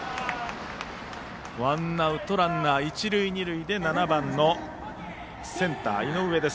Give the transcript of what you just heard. ワンアウトランナー、一塁二塁で７番のセンター、井上です。